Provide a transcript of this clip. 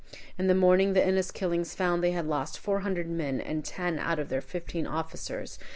In the morning the Inniskillings found they had lost four hundred men, and ten out of their fifteen officers.